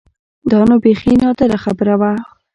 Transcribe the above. دا نو بيخي نادره خبره وه.